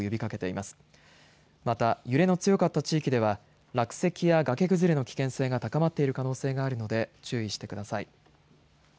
また揺れの強かった地域では落石や崖崩れの危険性が高まっている可能性があるので注意してください。